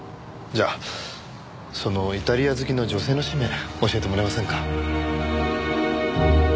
じゃあそのイタリア好きの女性の氏名教えてもらえませんか？